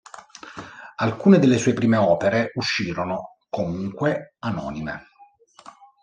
Alcune delle sue prime opere uscirono, comunque, anonime.